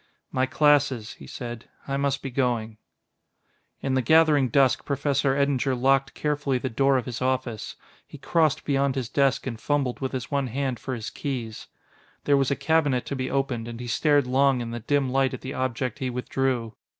"My classes," he said. "I must be going...." In the gathering dusk Professor Eddinger locked carefully the door of his office. He crossed beyond his desk and fumbled with his one hand for his keys. There was a cabinet to be opened, and he stared long in the dim light at the object he withdrew.